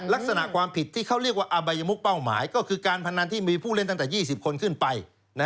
ลักษณะความผิดที่เขาเรียกว่าอบัยมุกเป้าหมายก็คือการพนันที่มีผู้เล่นตั้งแต่๒๐คนขึ้นไป